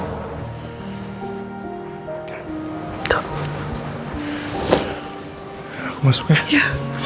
aku masuk ya